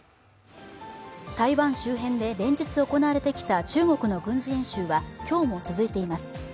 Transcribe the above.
台湾周辺で連日行われてきた中国の軍事演習は今日も続いています。